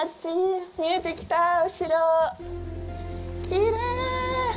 きれい！